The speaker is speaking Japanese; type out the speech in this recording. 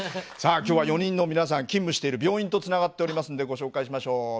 さあ今日は４人の皆さん勤務している病院とつながっておりますんでご紹介しましょう。